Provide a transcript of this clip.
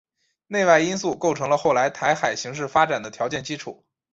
内外因素构成了后来台海形势发展的条件基础。